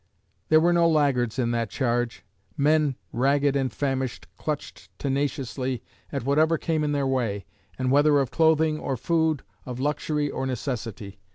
There were no laggards in that charge.... Men ragged and famished clutched tenaciously at whatever came in their way, and whether of clothing or food, of luxury or necessity.